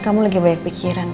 kamu lagi banyak pikiran